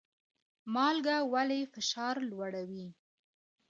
مالګه ولې فشار لوړوي؟